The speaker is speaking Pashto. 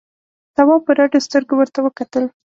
تواب په رډو سترګو ورته وکتل.